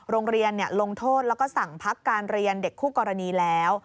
โรงเรียนลงโทษแล้วก็สั่งพักการเรียนเด็กคู่กรณีแล้ว